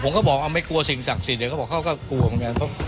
ผมก็บอกไม่พูดซึ่งศักดิ์สิทธิ์เดี๋ยวเขาก็แตรกลวงตัวเนี้ย